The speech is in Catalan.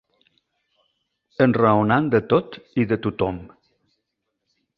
Enraonant de tot i de tot-hom